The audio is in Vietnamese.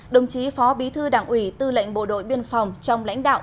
đồng chí phó bí thư đảng ủy tư lệnh bộ đội biên phòng trong lãnh đạo